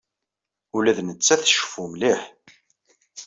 Ula d nettat tceffu mliḥ.